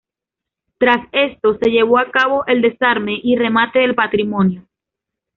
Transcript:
Tras esto, se llevó a cabo el desarme y remate del patrimonio.